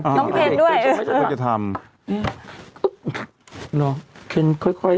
น้องเคนด้วยเออเคนค่อย